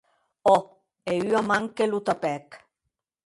Òc, e ua man que lo tapèc.